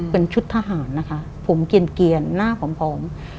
เป็นชุดทหารนะคะผมเกียรต์เกียรต์หน้าผอม